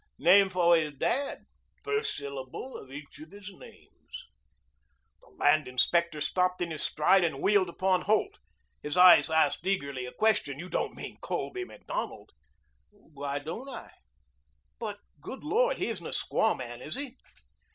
Named for his dad. First syllable of each of his names." The land inspector stopped in his stride and wheeled upon Holt. His eyes asked eagerly a question. "You don't mean Colby Macdonald?" "Why don't I?" "But Good Lord, he isn't a squawman, is he?"